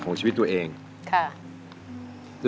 สวัสดีครับ